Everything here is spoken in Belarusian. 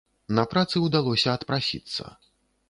На працы ўдалося адпрасіцца.